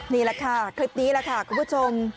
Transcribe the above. นี่แหละค่ะคลิปนี้แหละค่ะคุณผู้ชม